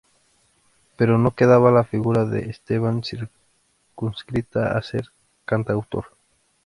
Pero no quedaba la figura de Esteban circunscrita a ser cantautor.